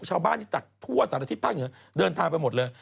ชาวบ้านที่ผักทั่วศาลินตริย์ภาคเหงือเดินทางไปหมดเลย